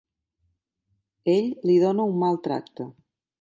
Ell li dona un mal tracte.